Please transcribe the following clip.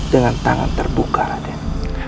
dengan tangan terbuka raden